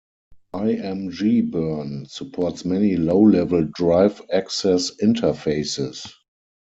ImgBurn supports many low level drive access interfaces.